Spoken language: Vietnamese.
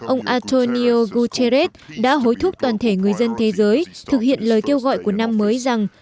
ông antonio guterres đã hối thúc toàn thể người dân thế giới thực hiện lời kêu gọi của năm mới rằng